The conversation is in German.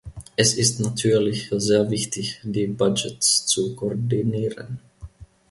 Es ist natürlich sehr wichtig, die Budgets zu koordinieren.